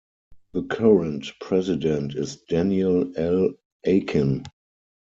The current president is Daniel L. Akin.